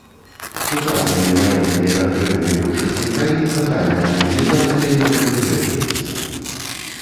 Сучаснымі ваеннымі дактрынамі большасці краін татальная мабілізацыя не прадугледжваецца.